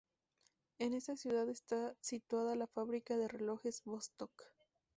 En esta ciudad está situada la fábrica de relojes Vostok.